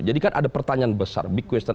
jadi kan ada pertanyaan besar big question